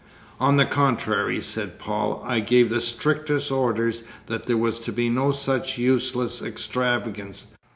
"On the contrary," said Paul, "I gave the strictest orders that there was to be no such useless extravagance.